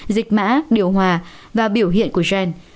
dịch mã điều hòa và biểu hiện của gen